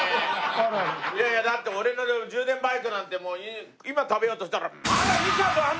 いやいやだって俺の『充電バイク』なんて今食べようとしたら。